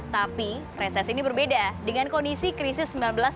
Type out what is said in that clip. tapi reses ini berbeda dengan kondisi krisis seribu sembilan ratus sembilan puluh